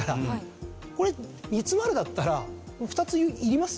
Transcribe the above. これ「煮詰まる」だったら２ついります？